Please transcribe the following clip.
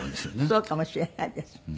そうかもしれないです。